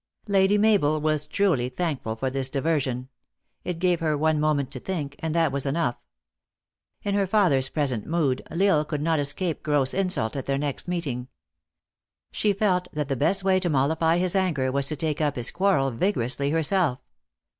Lady Mabel was truly thankful for this diversion. It gave her one moment to think, and that was enough. In her father s present mood, L Isle could not escape gross insult at their next meeting. She felt that the best way to molify his anger was to take up his quarrel vigorously herself.